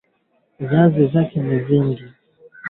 viazi lishe Vinaweza kuliwa nachoroko